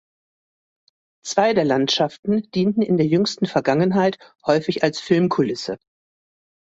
Zwei der Landschaften dienten in der jüngsten Vergangenheit häufig als Filmkulisse.